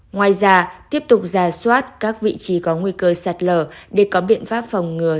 ngoài ra tiếp tục ra soát các vị trí có nguy cơ sạt lở để có biện pháp phòng ngừa